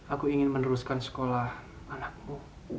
aku ingin meneruskan sekolah anakku